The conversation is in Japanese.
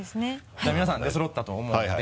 じゃあ皆さん出そろったと思うので。